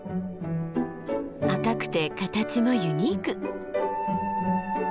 赤くて形もユニーク！